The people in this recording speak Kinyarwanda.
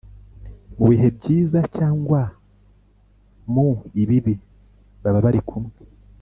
Mu bihe byiza cyangwa mu ibibi baba bari kumwe